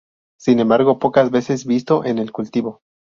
Sin embargo pocas veces visto en el cultivo.